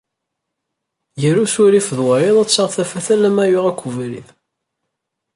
Gar usurif d wayeḍ ad taɣ tafat alamma yuɣ akk ubrid.